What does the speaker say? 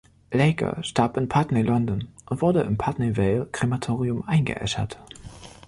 Laker starb in Putney, London, und wurde im Putney Vale Krematorium eingeäschert.